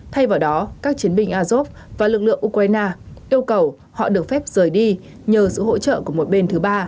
thay vào đó các chiến binh azov và lực lượng ukraine yêu cầu họ được phép rời đi nhờ sự hỗ trợ của một bên thứ ba